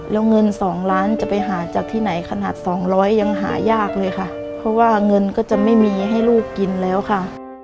แล้วเงินสองล้านจะไปหาจากที่ไหนขนาดสองร้อยยังหายากเลยค่ะเพราะว่าเงินก็จะไม่มีให้ลูกกินแล้วค่ะ